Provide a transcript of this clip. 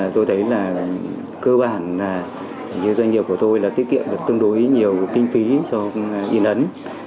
tôi thấy là cơ bản là như doanh nghiệp của tôi là tiết kiệm được tương đối nhiều kinh phí cho in ấn